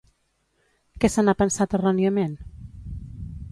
Què se n'ha pensat erròniament?